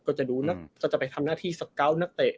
ก็จะดูก็จะไปทำหน้าที่สเกาะนักเตะ